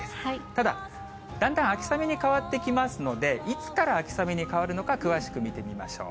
ただ、だんだん秋雨に変わってきますので、いつから秋雨に変わるのか、詳しく見てみましょう。